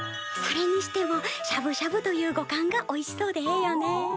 それにしてもしゃぶしゃぶという語感がおいしそうでええよね。